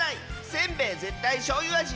せんべいぜったいしょうゆあじ！